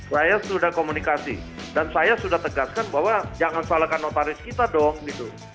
saya sudah komunikasi dan saya sudah tegaskan bahwa jangan salahkan notaris kita dong gitu